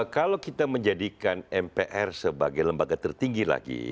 kalau kita menjadikan mpr sebagai lembaga tertinggi lagi